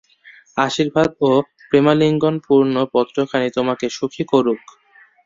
আশীর্বাদ ও প্রেমালিঙ্গনপূর্ণ পত্রখানি তোমাকে সুখী করুক।